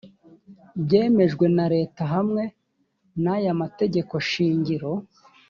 byemejwe na leta hamwe n’aya mategeko shingiro